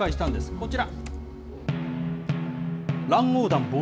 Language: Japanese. こちら。